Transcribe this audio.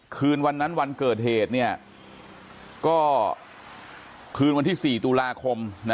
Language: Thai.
คืนวันนั้นวันเกิดเหตุก็คืนวันที่๔ตุลาคม